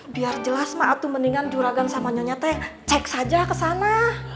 biar jelas mah atuh mendingan juragan sama nyonya teh cek saja kesana